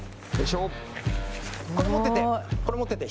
これ、持ってて。